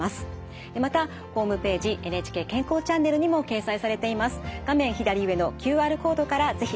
またホームページ「ＮＨＫ健康チャンネル」にも掲載されています。